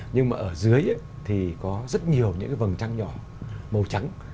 nhưng mà ở dưới thì có rất nhiều những cái vầng trăng nhỏ màu trắng